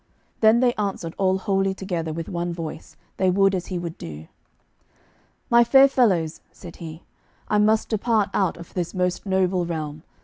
Then they answered all wholly together with one voice, they would as he would do. "My fair fellows," said he: "I must depart out of this most noble realm.